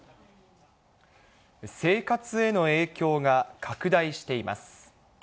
生活への影響が拡大しています。